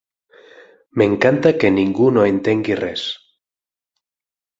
M'encanta que ningú no entengui res.